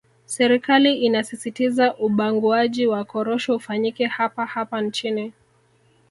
Serikali inasisitiza ubanguaji wa korosho ufanyike hapa hapa nchini